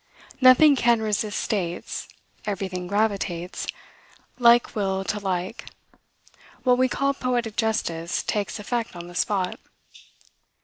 Nothing can resist states; everything gravitates; like will to like; what we call poetic justice takes effect on the spot.